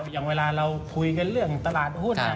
อย่างเวลาเราคุยกันเรื่องตลาดหุ้น